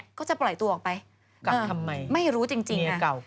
กักทำไมเมียเก่าคาตางก่อนไม่มีอะไรทำไม่รู้จริงน่ะ